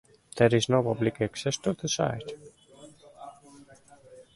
There is no public access to the site.